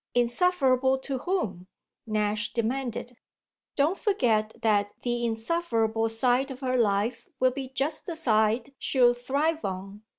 "Insufferable to whom?" Nash demanded. "Don't forget that the insufferable side of her life will be just the side she'll thrive on.